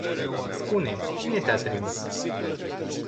Spune-mi, cine te-a trimis?